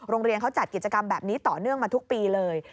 โรงเรียนเขาจัดกิจกรรมแบบนี้ต่อเนื่องมาทุกปีเลย